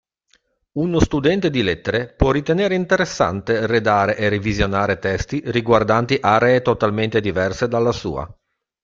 Uno studente di Lettere può ritenere interessante redare e revisionare testi riguardanti aree totalmente diverse dalla sua.